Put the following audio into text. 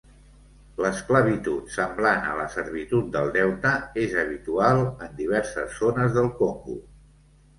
L’esclavitud, semblant a la servitud del deute, és habitual en diverses zones del Congo.